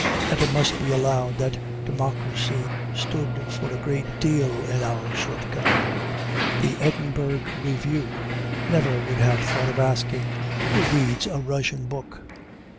And it must be allowed that democracy stood for a great deal in our shortcoming. The Edinburgh Review never would have thought of asking, "Who reads a Russian book?"